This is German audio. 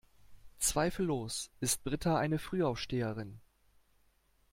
Zweifellos ist Britta eine Frühaufsteherin.